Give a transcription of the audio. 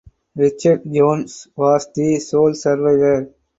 Richard Jones was the sole survivor.